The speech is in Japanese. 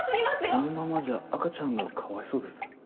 このままじゃ赤ちゃんがかわいそうです。